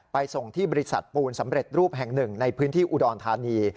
ส่งที่บริษัทปูนสำเร็จรูปแห่งหนึ่งในพื้นที่อุดรธานี